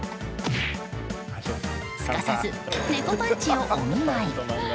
すかさず猫パンチをお見舞い。